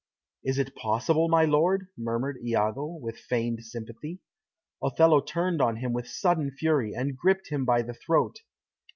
"Is it possible, my lord?" murmured Iago, with feigned sympathy. Othello turned on him with sudden fury, and gripped him by the throat.